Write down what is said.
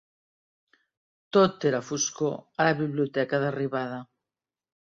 Tot era foscor a la biblioteca d'arribada.